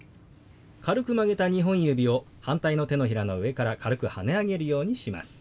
軽く曲げた２本指を反対の手のひらの上から軽くはね上げるようにします。